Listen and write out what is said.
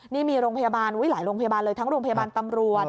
นี่มีโรงพยาบาลหลายโรงพยาบาลเลยทั้งโรงพยาบาลตำรวจ